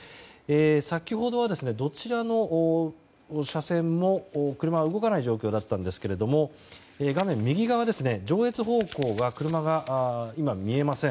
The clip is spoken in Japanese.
先ほどはどちらの車線も車が動かない状況だったんですが画面右側、上越方向は車が今、見えません。